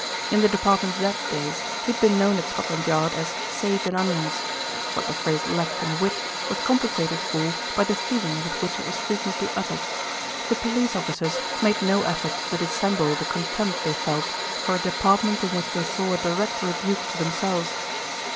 In the Department Z days, he had been known at Scotland Yard as "Sage & Onions." What the phrase lacked in wit was compensated for by the feeling with which it was frequently uttered. The police officers made no effort to dissemble the contempt they felt for a department in which they saw a direct rebuke to themselves.